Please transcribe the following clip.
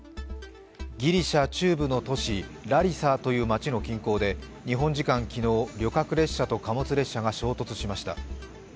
ギリシャ中部の都市、ラリサという街の近郊で日本時間昨日、旅客列車と貨物列車が衝突しました。